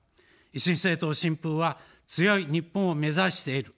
維新政党・新風は、強い日本を目指している。